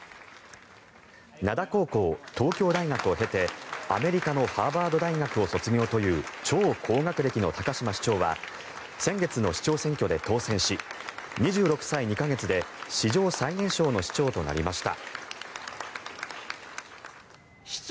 灘高校、東京大学を経てアメリカのハーバード大学を卒業という超高学歴の高島市長は先月の市長選挙で当選し２６歳２か月で史上最年少の市長となりました。